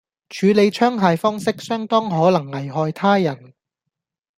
處理槍械方式相當可能危害他人